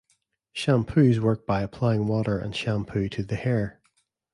Shampoos work by applying water and shampoo to the hair.